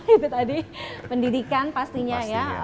itu tadi pendidikan pastinya ya